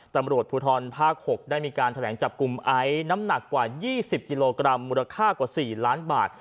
ตำรวจภูทรภาค๖ได้มีการแถลงจับกลุ่มไอซ์น้ำหนักกว่า๒๐กิโลกรัมมูลค่ากว่า๔ล้านบาท